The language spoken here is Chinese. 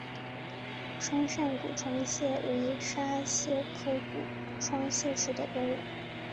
双扇股窗蟹为沙蟹科股窗蟹属的动物。